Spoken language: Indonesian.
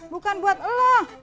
bukan buat elo